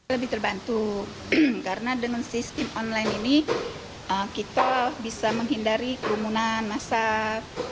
lebih terbantu karena dengan sistem online ini kita bisa menghindari kerumunan masak